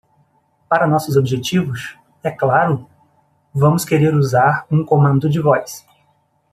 Para nossos objetivos,?, é claro,?, vamos querer usar um comando de voz.